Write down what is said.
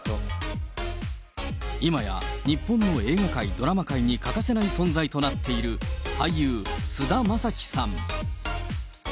今や日本の映画界、ドラマ界に欠かせない存在となっている俳優、菅田将暉さん。